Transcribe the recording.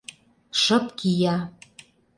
Шып кия.